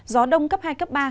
gió đông cấp hai cấp ba